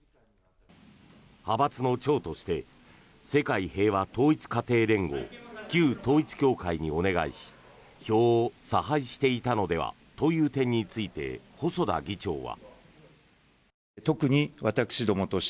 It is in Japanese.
派閥の長として世界平和統一家庭連合旧統一教会にお願いし票を差配していたのではという点について細田議長は。